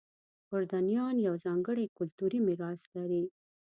اردنیان یو ځانګړی کلتوري میراث لري.